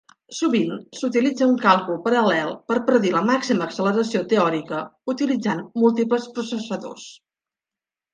Sovint s'utilitza un càlcul paral·lel per predir la màxima acceleració teòrica utilitzant múltiples processadors.